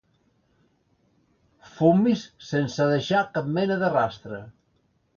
Fumis sense deixar cap mena de rastre.